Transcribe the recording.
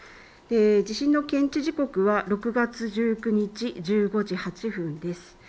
地震の検知時刻は６月１９日１５時８分です。